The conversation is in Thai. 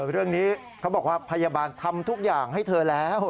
เรื่องนี้เขาบอกว่าพยาบาลทำทุกอย่างให้เธอแล้ว